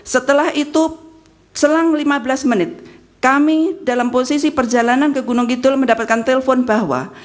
setelah itu selang lima belas menit kami dalam posisi perjalanan ke gunung kidul mendapatkan telpon bahwa